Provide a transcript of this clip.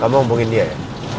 kamu hubungin dia ya